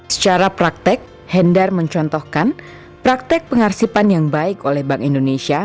secara praktek hendar mencontohkan praktek pengarsipan yang baik oleh bank indonesia